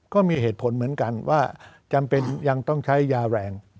ก็มีเหตุผลเหมือนกันว่าจำเป็นยังต้องใช้ยาแรง